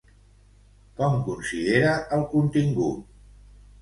Com considera el contingut?